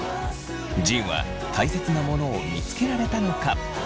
仁はたいせつなものを見つけられたのか？